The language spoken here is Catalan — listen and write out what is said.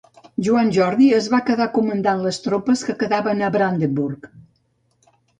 Joan Jordi es va quedar comandant les tropes que quedaven a Brandenburg.